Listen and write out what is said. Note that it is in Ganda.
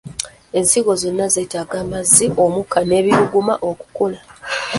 Ensigo zonna zeetaaga amazzi, omukka n'ebbugumu okukula.